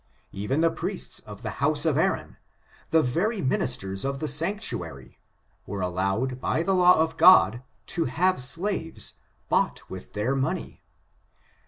Even the priests of the house of Aaron — the very ministers of the sanctua ry— ^were allowed, by the law of God, to have slaves, bought with their money.